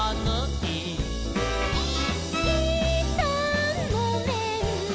「いったんもめん」